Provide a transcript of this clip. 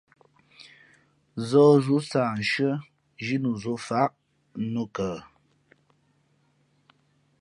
Zᾱh zǒ sah nshʉ́ά zhínu zǒ faʼá nǔkα ?